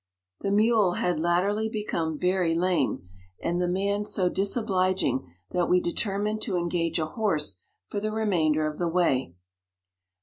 The mule had latterly become very lame, and the man so disobliging, that we determined to engage a horse for the remainder of the way.